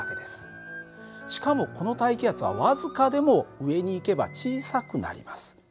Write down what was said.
しかもこの大気圧は僅かでも上に行けば小さくなります。